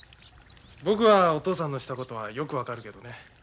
僕はお父さんのしたことはよく分かるけどね。